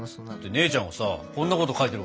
姉ちゃんがさこんなこと書いてるからさ。